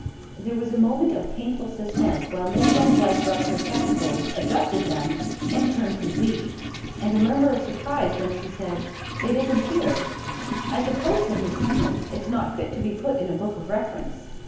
There was a moment of painful suspense while Miss Van Vluyck rubbed her spectacles, adjusted them, and turned to Z; and a murmur of surprise when she said: "It isn't here." "I suppose," said Mrs. Plinth, "it's not fit to be put in a book of reference."